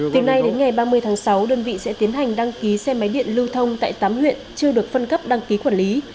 từ nay đến ngày ba mươi tháng sáu đơn vị sẽ tiến hành đăng ký xe máy điện lưu thông tại tám huyện chưa được phân cấp đăng ký quản lý